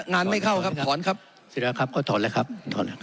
งานไม่เข้าครับถอนครับศิราครับก็ถอนแล้วครับถอนแล้วครับ